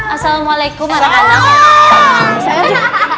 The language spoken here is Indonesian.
assalamualaikum warahmatullahi wabarakatuh